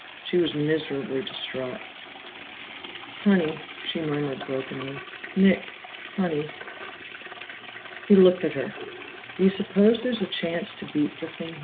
She was miserably distraught. "Honey," she murmured brokenly. "Nick, Honey." He looked at her. "Do you suppose there's a chance to beat the thing?"